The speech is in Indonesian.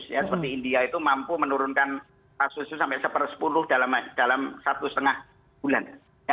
seperti india itu mampu menurunkan kasusnya sampai seper sepuluh dalam satu setengah bulan